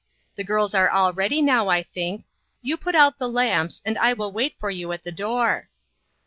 The girls are all ready now, I think. You put out the lamps, and I will wait for you at the door."